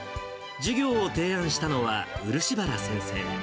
授業を提案したのは、漆原先生。